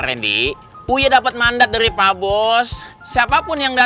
randy sekali lagi terima kasih ya